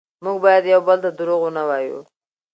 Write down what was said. موږ باید یو بل ته دروغ ونه وایو